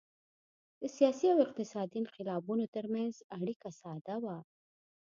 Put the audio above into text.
د سیاسي او اقتصادي انقلابونو ترمنځ اړیکه ساده وه